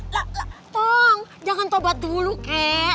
tante jangan tobat dulu keh